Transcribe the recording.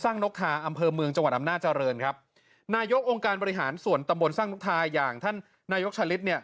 นกทาอำเภอเมืองจังหวัดอำนาจริงครับนายกองค์การบริหารส่วนตำบลสร้างนกทาอย่างท่านนายกชาลิศเนี่ย